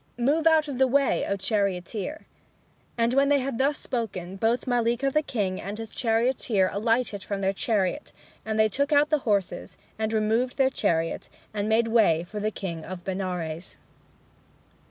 Move out of the way, O charioteer!" And when he had thus spoken, both Mallika the king and his charioteer alighted from their chariot. And they took out the horses, and removed their chariot, and made way for the king of Benares!